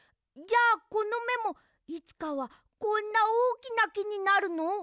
じゃあこのめもいつかはこんなおおきなきになるの？